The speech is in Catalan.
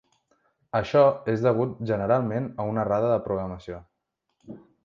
Això és degut generalment a una errada de programació.